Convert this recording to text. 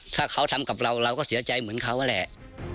ถ้าเขาทำกับเราเราก็เสียใจเหมือนเขาแหละ